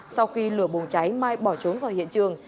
sau khi lửa bùng cháy mai bỏ chúng